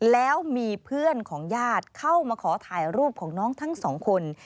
แล้วมีเพื่อนของญาติเข้ามาขอถ่ายรูปของน้องทั้งสองคน